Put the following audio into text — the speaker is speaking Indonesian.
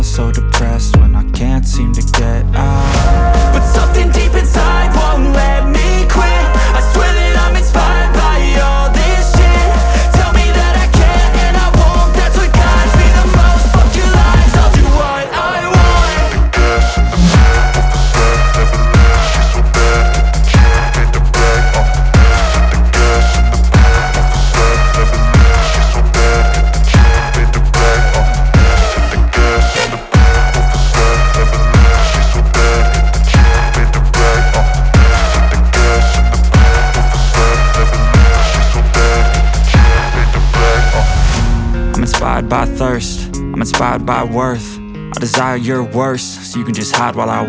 campurkan kebun tan nasional